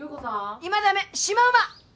今ダメシマウマ！